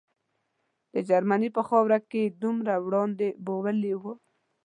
د جرمني په خاوره کې یې دومره وړاندې بیولي وو.